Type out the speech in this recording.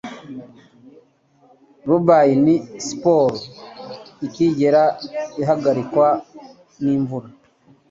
Rugby ni siporo itigera ihagarikwa nimvura.